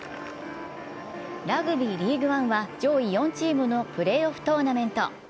ＲＵＧＢＹＬＥＡＧＵＥＯＮＥは上位４チームのプレーオフトーナメント。